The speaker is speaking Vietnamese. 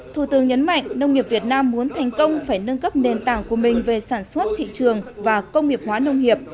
thủ tướng nhấn mạnh nông nghiệp việt nam muốn thành công phải nâng cấp nền tảng của mình về sản xuất thị trường và công nghiệp hóa nông nghiệp